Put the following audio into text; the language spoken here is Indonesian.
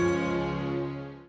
saya harus berdagang nia